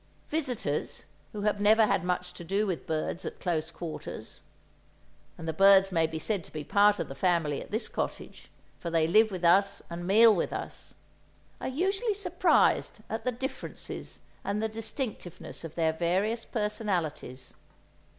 Visitors who have never had much to do with birds at close quarters—and the birds may be said to be part of the family at this cottage, for they live with us and meal with us—are usually surprised at the differences and the distinctiveness of their various personalities.